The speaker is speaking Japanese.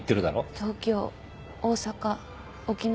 東京大阪沖縄。